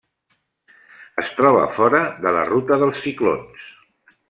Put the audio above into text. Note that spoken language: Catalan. Es troba fora de la ruta dels ciclons.